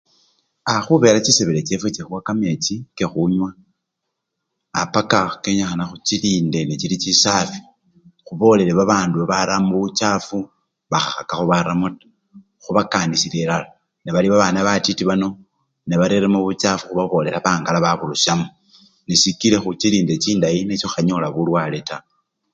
A! khubela chisebele chefwe chikhuwa kamechi kekhunywa abapaka kyenikhana khuchilinde nga chili chisafi khubolele babandu baramo buchafu bakhakakho baramo taa, khubakanisile elala nebali babana batiti nebareremo buchafu khubabolela bangala baburusyamo nesikile khuchilinde chindayi nechi! khukhanyola bulwale taa.